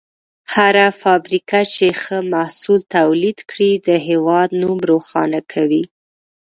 هره فابریکه چې ښه محصول تولید کړي، د هېواد نوم روښانه کوي.